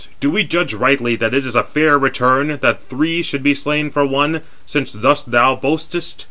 do we judge rightly that it is a fair return, that three should be slain for one, since thus thou boastest?